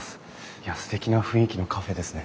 いやすてきな雰囲気のカフェですね。